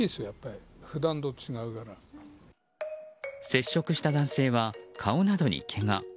接触した男性は顔などにけが。